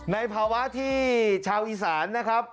ในภาวะที่ชาวอีสานนะครับ